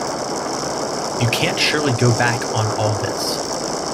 You can't surely go back on all this.'